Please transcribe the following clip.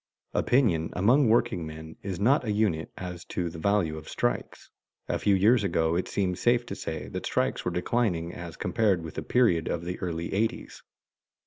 Opinion among workingmen is not a unit as to the value of strikes. A few years ago it seemed safe to say that strikes were declining as compared with the period of the early eighties.